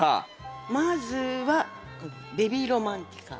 まずはベビー・ロマンティカ。